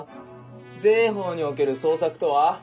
税法における「捜索」とは？